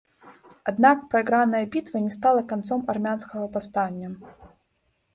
Аднак, прайграная бітва не стала канцом армянскага паўстання.